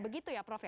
begitu ya prof ya